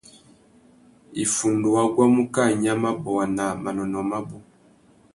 Iffundu wa guamú kā nya mabôwa má manônôh mabú.